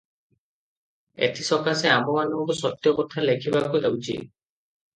ଏଥିସକାଶେ ଆମ୍ଭେମାନଙ୍କୁ ସତ୍ୟକଥା ଲେଖିବାକୁ ହେଉଛି ।